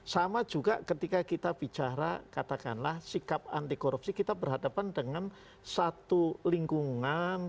sama juga ketika kita bicara katakanlah sikap anti korupsi kita berhadapan dengan satu lingkungan